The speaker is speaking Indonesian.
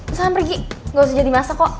usaham pergi gak usah jadi masa kok